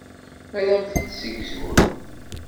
Ad am-t-id-ssegzun.